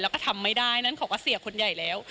แล้วก็ทำไม่ได้นั้นเขาก็เสียคนใหญ่แล้ว